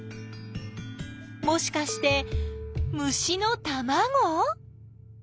もしかして虫のたまご？